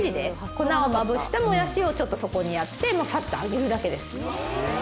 粉をまぶしたもやしをそこにやってサッと揚げるだけです。